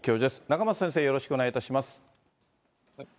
仲正先生、よろしくお願いいたします。